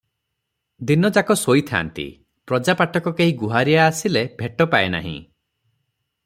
ଦିନଯାକ ଶୋଇଥାନ୍ତି, ପ୍ରଜା ପାଟକ କେହି ଗୁହାରିଆ ଆସିଲେ ଭେଟ ପାଏ ନାହିଁ ।